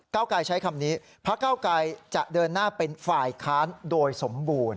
เก้าไกรใช้คำนี้พระเก้าไกรจะเดินหน้าเป็นฝ่ายค้านโดยสมบูรณ